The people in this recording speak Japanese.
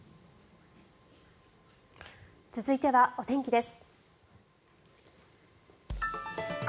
続いてはお天気です。